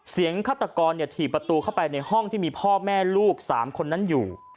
ฆาตกรถี่ประตูเข้าไปในห้องที่มีพ่อแม่ลูก๓คนนั้นอยู่